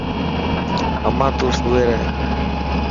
اما تو سوئي رهي.